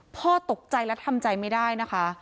พ่อตกใจและทำใจไม่ได้นะคะ